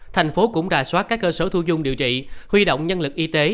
thành phố cũng rà soát các cơ sở thu dung điều trị huy động nhân lực y tế